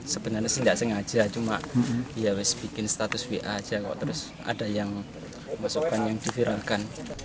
sebenarnya sih nggak sengaja cuma ya harus bikin status wa aja kok terus ada yang masukan yang diviralkan